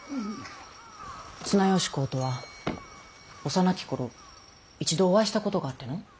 綱吉公とは幼き頃一度お会いしたことがあっての。